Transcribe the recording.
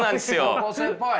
高校生っぽい。